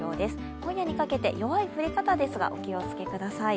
今夜にかけて弱い降り方ですが、お気をつけください。